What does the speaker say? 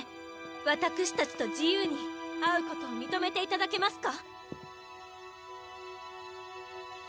わたくしたちと自由に会うことを認めて頂けますか？